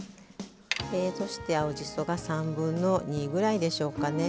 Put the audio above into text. そして、青じそが３分の２ぐらいでしょうか。